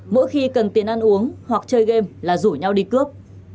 mỗi khi cần tiền ăn uống hoặc chơi game là rủ nhau đi cướp